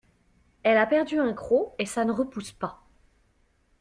Elle a perdu un croc et ça ne repousse pas.